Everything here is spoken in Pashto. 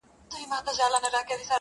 له یوه کلي تر بله- هديرې د ښار پرتې دي-